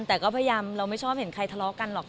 แต่ก็พยายามเราไม่ชอบเห็นใครทะเลาะกันหรอก